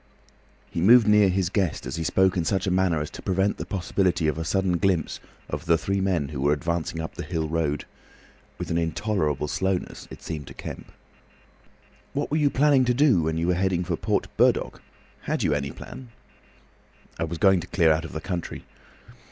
He moved nearer his guest as he spoke in such a manner as to prevent the possibility of a sudden glimpse of the three men who were advancing up the hill road—with an intolerable slowness, as it seemed to Kemp. "What were you planning to do when you were heading for Port Burdock? Had you any plan?" "I was going to clear out of the country.